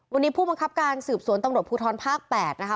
วันนี้ผู้บังคับการสืบสวนตำรวจภูทรภาค๘นะคะ